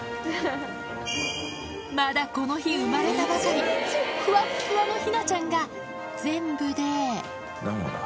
まだこの日生まれたばかりふわっふわのヒナちゃんが全部で９羽だ。